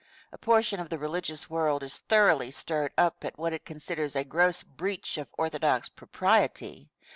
A portion of the religious world is thoroughly stirred up at what it considers a gross breach of orthodox propriety.